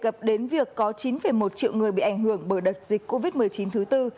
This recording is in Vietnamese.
gặp đến việc có chín một triệu người bị ảnh hưởng bởi đợt dịch covid một mươi chín thứ tư